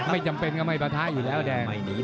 ไม่จำเป็นก็ไม่ปะทะอยู่แล้วแดง